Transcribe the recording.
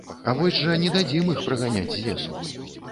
А вось жа не дадзім іх праганяць з лесу.